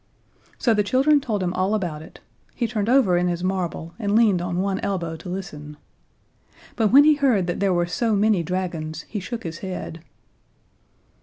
So the children told him all about it; he turned over in his marble and leaned on one elbow to listen. But when he heard that there were so many dragons he shook his head.